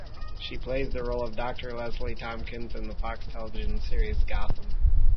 She plays the role of Doctor Leslie Thompkins in the Fox television series "Gotham".